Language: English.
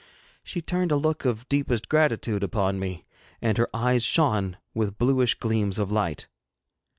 She turned a look of deepest gratitude upon me, and her eyes shone with bluish gleams of light.